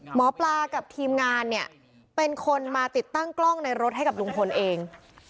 หมอปลากับทีมงานเนี่ยเป็นคนมาติดตั้งกล้องในรถให้กับลุงพลเอง